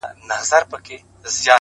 د دې خمارو ماښامونو نه به وځغلمه”